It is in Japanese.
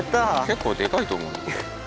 結構でかいと思うよこれ。